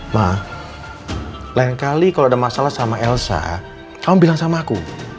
mah lain kali kalau ada masalah sama elsa kamu bilang sama aku